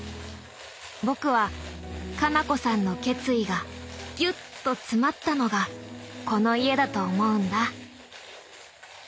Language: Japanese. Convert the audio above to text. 僕は花菜子さんの決意がギュッと詰まったのがこの家だと思うんだ。